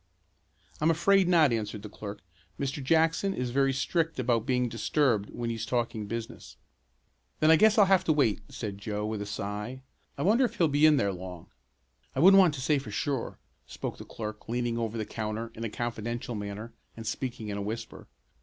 "I'm afraid not," answered the clerk. "Mr. Jackson is very strict about being disturbed when he's talking business." "Then I guess I'll have to wait," said Joe with a sigh. "I wonder if he'll be in there long?" "I wouldn't want to say for sure," spoke the clerk, leaning over the counter in a confidential manner and speaking in a whisper.